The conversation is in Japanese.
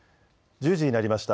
１０時になりました。